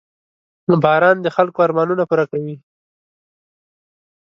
• باران د خلکو ارمانونه پوره کوي.